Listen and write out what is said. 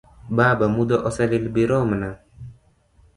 Baba mudho ose lil biromna.